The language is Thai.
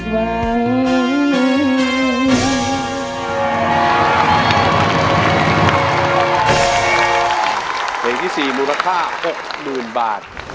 เพลงที่๔มูลค่า๖๐๐๐บาท